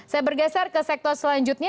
saya bergeser ke sektor selanjutnya